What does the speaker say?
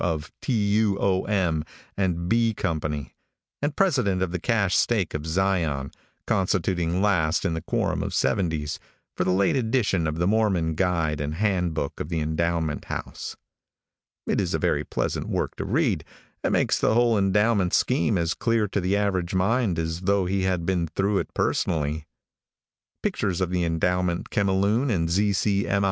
W. of T. U. O. M. and B. company, and president of the cache stake of Zion, constituting last in the quorum of seventies, for the late edition of the Mormon Guide and Hand Book of the Endowment House. It is a very pleasant work to read, and makes the whole endowment scheme as clear to the average mind as though he had been through it personally. Pictures of the endowment chemiloon and Z. C. M.